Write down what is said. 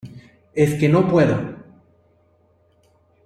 es que no puedo.